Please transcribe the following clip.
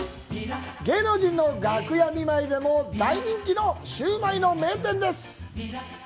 芸能人の楽屋見舞いでも大人気のシューマイの名店です！